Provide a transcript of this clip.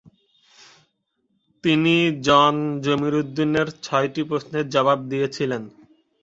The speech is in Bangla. তিনি জন জমিরুদ্দীনের ছয়টি প্রশ্নের জবাব দিয়েছিলেন।